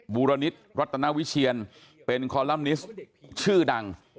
บูรณิตรัตนาวิเชียนเป็นคอลัมนิสต์ชื่อดัง